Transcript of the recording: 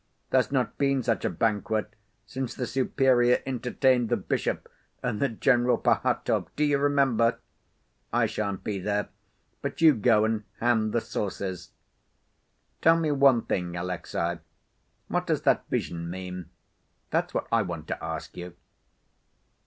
There's not been such a banquet since the Superior entertained the Bishop and General Pahatov, do you remember? I shan't be there, but you go and hand the sauces. Tell me one thing, Alexey, what does that vision mean? That's what I want to ask you."